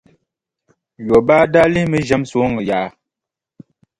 Yobaa daa lihimi ʒɛm sooŋa yaa.